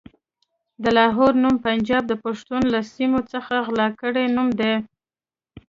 د لاهور نوم پنجاب د پښتنو له سيمو څخه غلا کړی نوم دی.